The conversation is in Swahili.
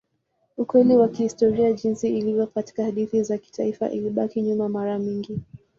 Ukweli wa kihistoria jinsi ilivyo katika hadithi za kitaifa ilibaki nyuma mara nyingi.